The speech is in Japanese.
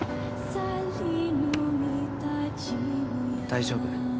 大丈夫。